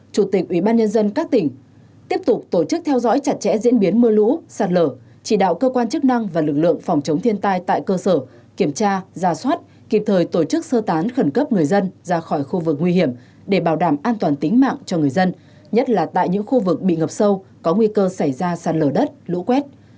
chủ tịch ubnd các tỉnh tiếp tục tổ chức theo dõi chặt chẽ diễn biến mưa lũ sạt lở chỉ đạo cơ quan chức năng và lực lượng phòng chống thiên tai tại cơ sở kiểm tra ra soát kịp thời tổ chức sơ tán khẩn cấp người dân ra khỏi khu vực nguy hiểm để bảo đảm an toàn tính mạng cho người dân nhất là tại những khu vực bị ngập sâu có nguy cơ xảy ra sạt lở đất lũ quét